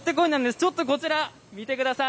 ちょっとこちら、見てください。